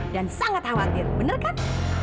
dan sangat khawatir bener kan